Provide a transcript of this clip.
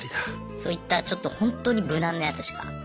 そういったちょっとほんとに無難なやつしか。